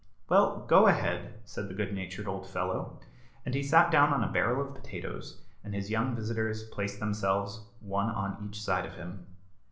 "Well, go ahead," said the good natured old fellow. And he sat down on a barrel of potatoes, and his young visitors placed themselves one on each side of him.